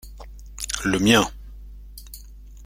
Le mien.